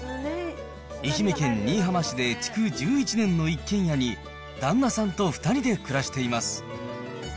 愛媛県新居浜市で築１１年の一軒家に、旦那さんと２人で暮らしています。